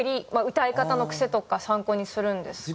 歌い方の癖とか参考にするんですか？